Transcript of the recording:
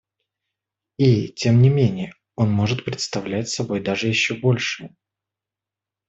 И, тем не менее, он может представлять собой даже еще большее.